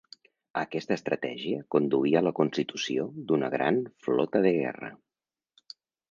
Aquesta estratègia conduí a la constitució d'una gran flota de guerra.